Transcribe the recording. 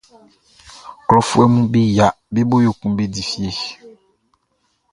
Klɔfuɛʼm be yia be bo yo kun be di fie.